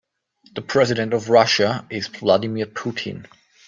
The president of Russia is Vladimir Putin.